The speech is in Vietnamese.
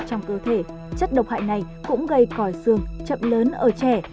trong cơ thể chất độc hại này cũng gây còi xương chậm lớn ở trẻ